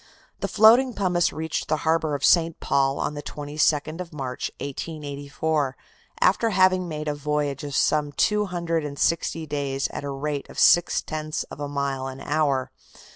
The floating pumice reached the harbor of St. Paul on the 22nd of March, 1884, after having made a voyage of some two hundred and sixty days at a rate of six tenths of a mile an hour.